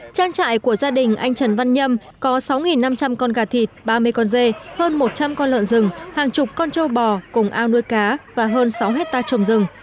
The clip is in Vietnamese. trang trại của gia đình anh trần văn nhâm có sáu năm trăm linh con gà thịt ba mươi con dê hơn một trăm linh con lợn rừng hàng chục con trâu bò cùng ao nuôi cá và hơn sáu hectare trồng rừng